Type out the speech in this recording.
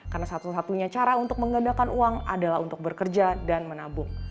karena satu satunya cara untuk menggandakan uang adalah untuk bekerja dan menabung